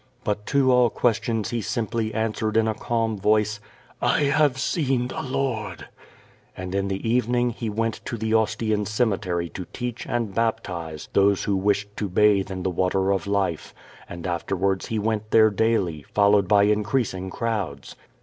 But to all questions he simply answered in a calm voice: "I have seen the Lord." And in the even ing he went to the Ostian Cemetery to teach and baptise those who wished to bathe in the Water of Life, and afterwards he went there daily^ followed by increasing crowds.